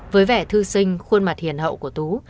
với vẻ thư sinh khuôn mặt hiền hậu của tú